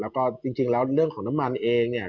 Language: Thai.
แล้วก็จริงแล้วเรื่องของน้ำมันเองเนี่ย